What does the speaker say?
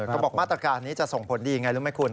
กระบอกมาตรการนี้จะส่งผลดีหรือไม่คุณ